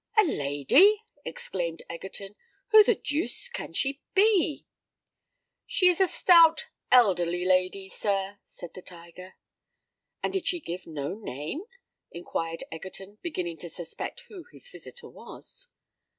"A lady!" exclaimed Egerton: "who the deuce can she be?" "She is a stout, elderly lady, sir," said the tiger. "And did she give no name?" inquired Egerton, beginning to suspect who his visitor was.